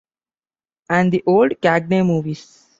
And the old Cagney movies.